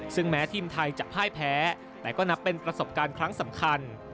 ซึ่งแม้ทีมไทยจะพ่ายแพ้แต่ก็นับเป็นประสบการณ์ครั้งสำคัญ